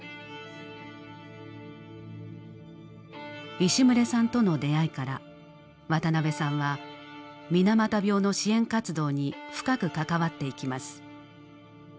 石牟礼さんとの出会いから渡辺さんは水俣病の支援活動に深く関わっていきます。